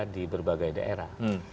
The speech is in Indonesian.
di berbagai daerah